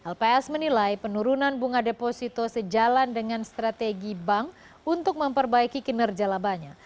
lps menilai penurunan bunga deposito sejalan dengan strategi bank untuk memperbaiki kinerja labanya